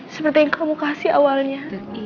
seperti yang kamu kasih awalnya